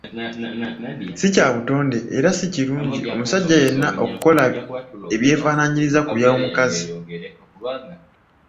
Si kya butonde era si kilungi omusajja yenna okukola ebyefaananyiriza ku byomukazi.